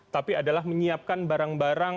tapi adalah menyiapkan barang barang